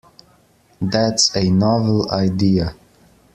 That's a novel idea.